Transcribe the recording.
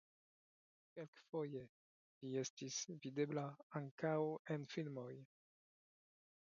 Kelkfoje li estis videbla ankaŭ en filmoj.